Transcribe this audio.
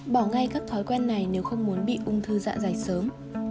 bỏ ngay các thói quen này nếu không muốn bị ung thư dạ dày sớm